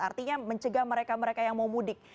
artinya mencegah mereka mereka yang mau mudik